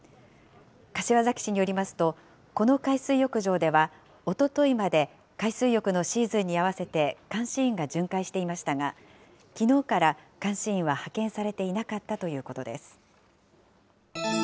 柏崎市によりますと、この海水浴場では、おとといまで、海水浴のシーズンに合わせて監視員が巡回していましたが、きのうから監視員は派遣されていなかったということです。